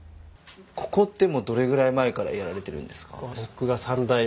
ここってもうどれぐらい前からやられてるんですか？